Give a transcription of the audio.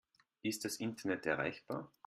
Ist das Internet erreichbar?